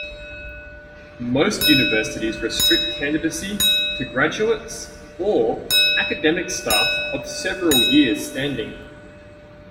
Most universities restrict candidacy to graduates or academic staff of several years' standing.